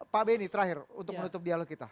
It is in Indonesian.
pak benny terakhir untuk menutup dialog kita